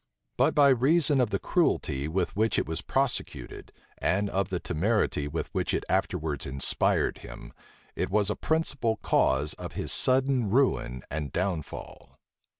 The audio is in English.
But by reason of the cruelty with which it was prosecuted, and of the temerity with which it afterwards inspired him, it was a principal cause of his sudden ruin and downfall.